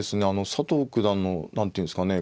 佐藤九段の何ていうんですかね